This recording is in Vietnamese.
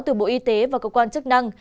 từ bộ y tế và cơ quan chức năng